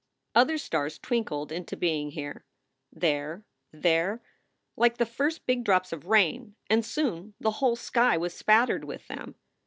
Other stars twinkled into being here, there, there, like the first big drops of rain, and soon the whole sky was spattered with them.